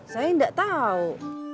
saya ndak tahu